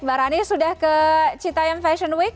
mbak rani sudah ke citaion fashion week